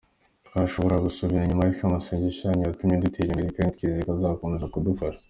Twashoboraga gusubira inyuma ariko amasengesho yanyu yatumye dutera imbere kandi twizeye ko azakomeza kudufasha.